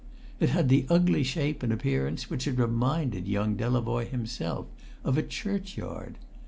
It had the ugly shape and appearance which had reminded young Delavoye himself of a churchyard.